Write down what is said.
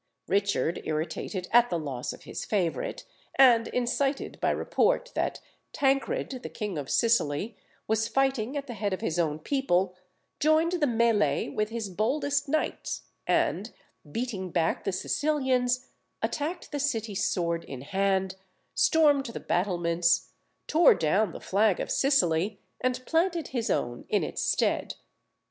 Richard, irritated at the loss of his favourite, and incited by report that Tancred, the king of Sicily, was fighting at the head of his own people, joined the mêlée with his boldest knights, and, beating back the Sicilians, attacked the city sword in hand, stormed the battlements, tore down the flag of Sicily, and planted his own in its stead.